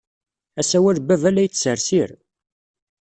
Asawal n Yuba la yettsersir.